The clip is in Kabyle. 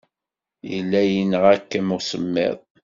Yella yenɣa-kem usemmiḍ.